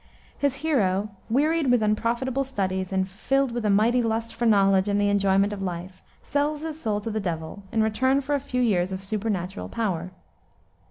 His hero, wearied with unprofitable studies, and filled with a mighty lust for knowledge and the enjoyment of life, sells his soul to the Devil in return for a few years of supernatural power.